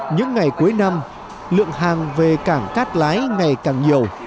những ngày cuối năm lượng hàng về cảng cát lái ngày càng nhiều